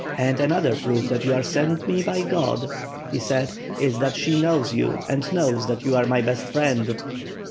And another proof that you are sent me by God,' he said, 'is that she knows you and knows that you are my best friend.